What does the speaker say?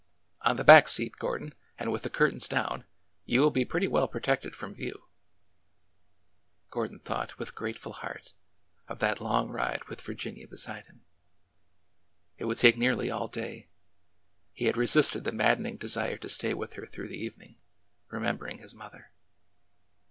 On the back seat, Gordon, and with the curtains down, you will be pretty well protected from view.'' Gordon thought, with grateful heart, of that long ride with Virginia beside him. It would take nearly all day. He had resisted the maddening desire to stay with her through the evening, remembering his mother.